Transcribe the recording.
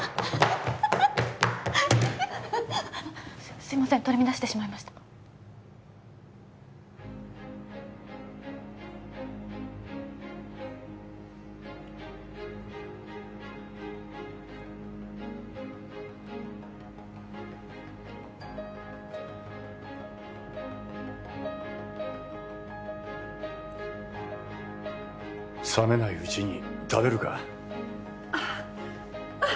すいません取り乱してしまいました冷めないうちに食べるかあっあっ